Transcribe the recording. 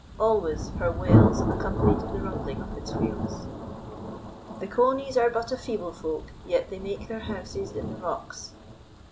Always her wails accompanied the rumbling of its wheels. "The Conies are but a feeble folk, yet they make their houses in the rocks."